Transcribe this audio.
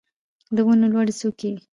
د ونو لوړې څوکې